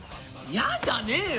嫌じゃねえよ！